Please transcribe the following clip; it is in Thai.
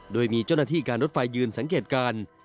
โดยมีเจ้าหน้าที่การรถไฟยืนสังเกตการ